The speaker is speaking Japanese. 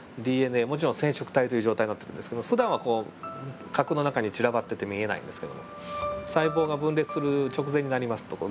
もちろん染色体という状態になってるんですけどふだんは核の中に散らばってて見えないんですけども細胞が分裂する直前になりますとぎゅっと縮まってきましてね